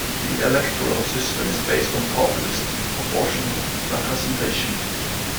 The electoral system is based on party-list proportional representation.